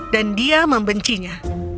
dan dia membencinya